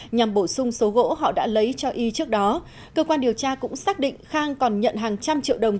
nhằm bổ sung số gỗ họ đã lấy cho y trước đó cơ quan điều tra cũng xác định khang còn nhận hàng trăm triệu đồng